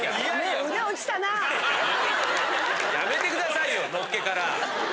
やめてくださいよのっけから。